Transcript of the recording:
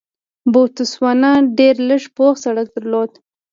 بوتسوانا ډېر لږ پوخ سړک درلود.